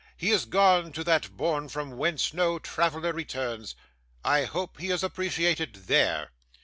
He is gone to that bourne from whence no traveller returns. I hope he is appreciated THERE.